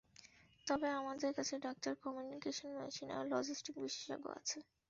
তবে আমাদের কাছে ডাক্তার, কমিউনিকেশন মেশিন আর লজিস্টিক বিশেষজ্ঞ আছে।